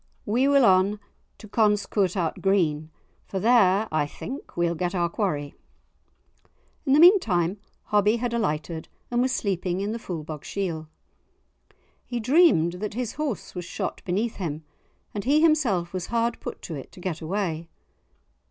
We will on to Conscouthart green, for there, I think, we'll get our quarry." In the meantime Hobbie had alighted and was sleeping in the Foulbogshiel. He dreamed that his horse was shot beneath him, and he himself was hard put to it to get away.